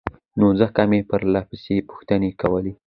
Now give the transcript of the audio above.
نو ځکه مې پرلهپسې پوښتنې کولې